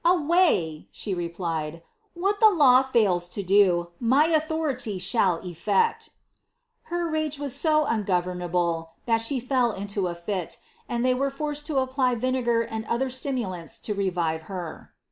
"Away !'' she replied j " what the law fails to do, my authority shall cfiect." Her rage was so ungovernable that she felt into a fit, and they were forced to apply vinegar and other stimulants to revive her.'